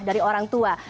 dari orang tua